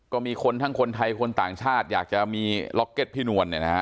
ก็มีคนทั้งคนไทยคนต่างชาติอยากจะมีล็อกเก็ตพี่นวลเนี่ยนะฮะ